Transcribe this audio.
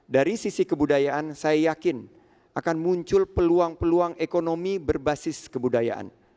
dari sisi kebudayaan saya yakin akan muncul peluang peluang ekonomi berbasis kebudayaan